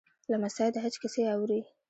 لمسی د حج کیسې اوري.